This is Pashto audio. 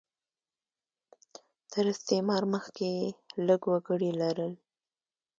تر استعمار مخکې یې لږ وګړي لرل.